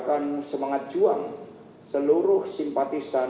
dengan mengadakan penelitian dan penelitian